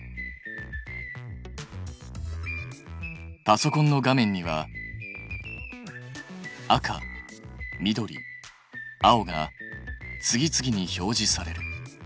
パソコンの画面には赤緑青が次々に表示される。